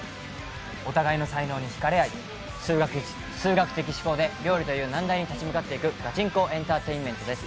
お互いの才能にひかれあい数学的思考で料理という難題に立ち向かっていくガチンコエンターテインメントです。